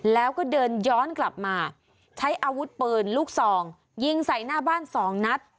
แล้วก็เดินย้อนกลับมาใช้อาวุธปืนลูกซองยิงใส่หน้าบ้านสองนัด